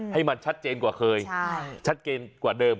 ให้มันชัดเจนกว่าเคยชัดเจนกว่าเดิม